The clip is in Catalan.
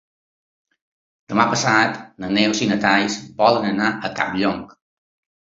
Demà passat na Neus i na Thaís volen anar a Campllong.